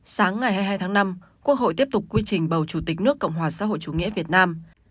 sáng ngày hai mươi hai tháng năm quốc hội tiếp tục quy trình bầu chủ tịch nước cộng hòa xã hội chủ nghĩa việt nam